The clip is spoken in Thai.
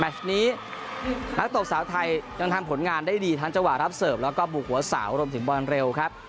นี้นักตบสาวไทยยังทำผลงานได้ดีทั้งจังหวะรับเสิร์ฟแล้วก็บุกหัวสาวรวมถึงบอลเร็วครับ